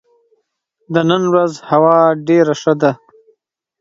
د نن ورځ هوا ډېره ښه ده.